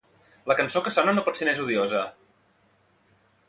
La cançó que sona no pot ser més odiosa.